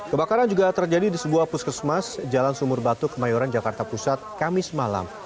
kebakaran juga terjadi di sebuah puskesmas jalan sumur batu kemayoran jakarta pusat kamis malam